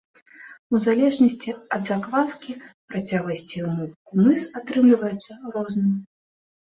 У залежнасці ад закваскі, працягласці і ўмоў кумыс атрымліваецца розным.